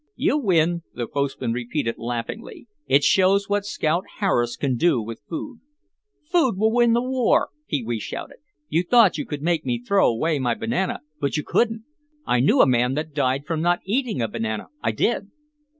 "You win," the postman repeated laughingly; "it shows what Scout Harris can do with food." "Food will win the war," Pee wee shouted. "You thought you could make me throw away my banana but you couldn't. I knew a man that died from not eating a banana, I did."